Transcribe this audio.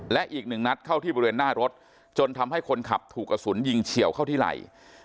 และอีกหนึ่งนัดเข้าที่บริเวณหน้ารถจนทำให้คนขับถูกกระสุนยิงเฉียวเข้าที่ไหล่